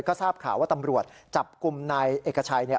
ก็ทราบข่าวว่าตำรวจจับกลุ่มนายเอกชัย